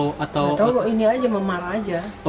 gak tahu bu ini aja memar aja